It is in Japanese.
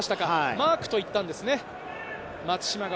マークといったんですね。